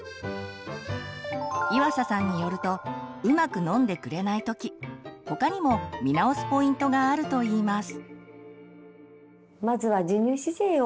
岩佐さんによるとうまく飲んでくれない時他にも見直すポイントがあると言います。